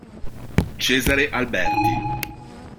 Cesare Alberti